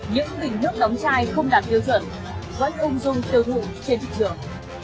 những bình nước đóng chai không đạt tiêu chuẩn vẫn ung dung tiêu thụ trên thị trường